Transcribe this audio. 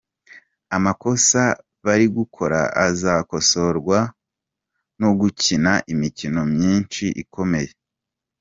Amakosa bari gukora azakosorwa no gukina imikino myinshi ikomeye.